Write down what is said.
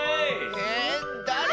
ええ？だれ？